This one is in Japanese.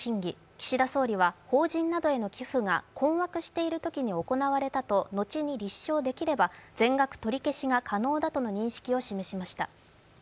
岸田総理は法人などへの寄付が困惑しているときに行われたとのちに立証できれば全額取り消しが可能だとする認識を示しました。